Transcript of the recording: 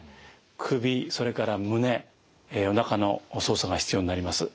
首それから胸おなかの操作が必要になります。